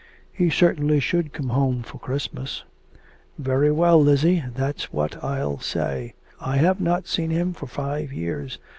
'He certainly should come home for Christmas ' 'Very well, Lizzie, that's what I'll say. I have not seen him for five years.